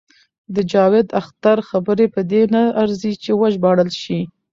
د جاوید اختر خبرې په دې نه ارزي چې وژباړل شي.